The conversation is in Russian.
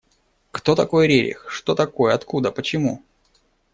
Кто такой Рерих, что такое, откуда, почему?